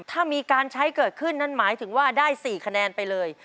ถ้ามีการใช้เกิดขึ้นนั่นหมายถึงว่าได้๔คะแนนไปเลย